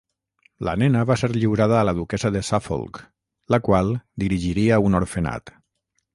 La nena va ser lliurada a la duquessa de Suffolk, la qual dirigiria un orfenat.